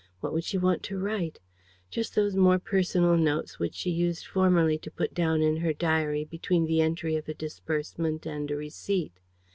What would she want to write? Just those more personal notes which she used formerly to put down in her diary between the entry of a disbursement and a receipt.